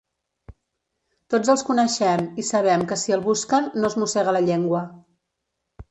Tots els coneixem i sabem que si el busquen no es mossega la llengua.